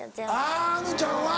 あぁあのちゃんは。